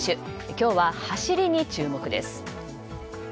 今日は走りに注目です。